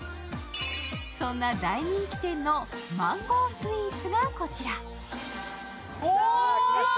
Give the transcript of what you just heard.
そんな大人気店のマンゴースイーツがこちら。